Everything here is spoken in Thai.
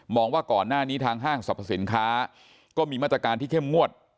ว่าก่อนหน้านี้ทางห้างสรรพสินค้าก็มีมาตรการที่เข้มงวด